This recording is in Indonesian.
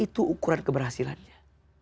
itu ukuran keberhasilannya